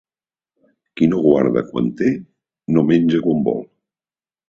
Qui no guarda quan té, no menja quan vol.